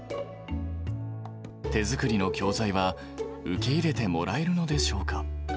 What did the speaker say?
手作りの教材は、受け入れてもらえるのでしょうか。